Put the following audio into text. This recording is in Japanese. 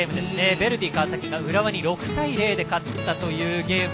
ヴェルディ川崎が浦和に６対０で勝ったゲーム。